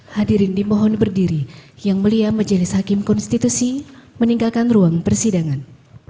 hadirin dimohon berdiri yang mulia majelis hakim konstitusi meninggalkan ruang persidangan